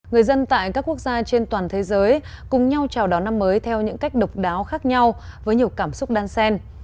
người dân tại các quốc gia trên toàn thế giới cùng nhau chào đón năm mới theo những cách độc đáo khác nhau với nhiều cảm xúc đan sen